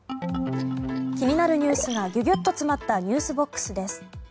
気になるニュースがギュギュッと詰まったｎｅｗｓＢＯＸです。